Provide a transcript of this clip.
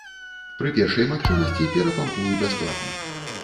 Пры першай магчымасці перапампую бясплатна.